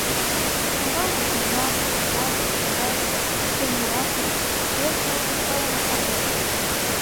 Ӱстембалне — книга, тетрадь, кагаз, чернилаате, тулеч моло возкалыме арвер.